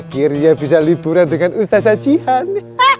akhirnya bisa liburan dengan ustadz hajihan